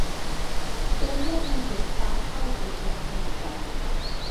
তোমরা দুইজন পাম্প হাউসের দক্ষিণে যাও।